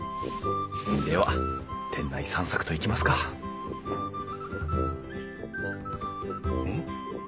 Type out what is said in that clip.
では店内散策といきますかん？